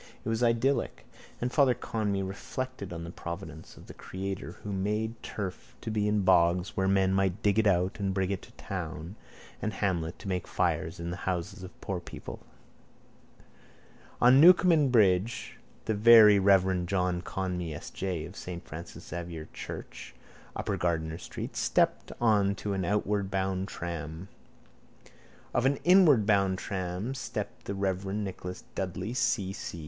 It was idyllic: and Father Conmee reflected on the providence of the Creator who had made turf to be in bogs whence men might dig it out and bring it to town and hamlet to make fires in the houses of poor people. On Newcomen bridge the very reverend John Conmee S. J. of saint Francis Xavier's church, upper Gardiner street, stepped on to an outward bound tram. Off an inward bound tram stepped the reverend Nicholas Dudley C. C.